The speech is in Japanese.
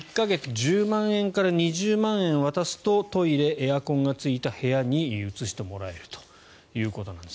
１０万円から２０万円を渡すとトイレ、エアコンがついた部屋に移してもらえるということです。